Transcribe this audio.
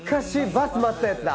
バス待ったやつだ。